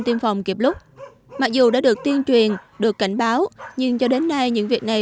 tiêm phòng kịp lúc mặc dù đã được tiên truyền được cảnh báo nhưng cho đến nay những việc này